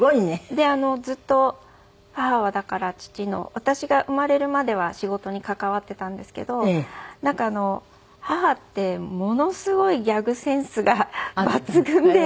でずっと母はだから父の私が生まれるまでは仕事に関わっていたんですけどなんか母ってものすごいギャグセンスが抜群で。